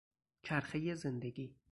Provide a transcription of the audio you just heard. چرخهی زندگی